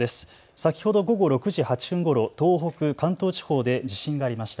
先ほど午後６時８分ごろ、東北、関東地方で地震がありました。